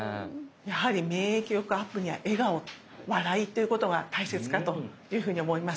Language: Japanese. やはり免疫力アップには笑顔笑いっていうことが大切かというふうに思います。